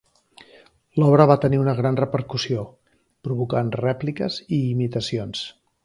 L'obra va tenir una gran repercussió, provocant rèpliques i imitacions.